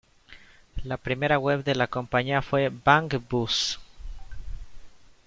La primera web de la compañía fue "Bang Bus".